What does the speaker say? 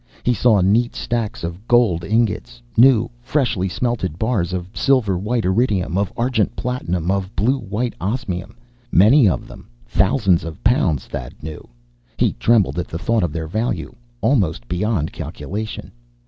He saw neat stacks of gold ingots, new, freshly smelted; bars of silver white iridium, of argent platinum, of blue white osmium. Many of them. Thousands of pounds, Thad knew. He trembled at thought of their value. Almost beyond calculation.